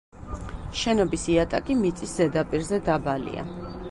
შენობის იატაკი მიწის ზედაპირზე დაბალია.